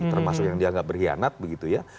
termasuk yang dianggap berkhianat begitu ya